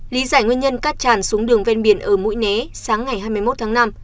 lý giải nguyên nhân cát tràn xuống đường ven biển ở mũi né sáng ngày hai mươi một tháng năm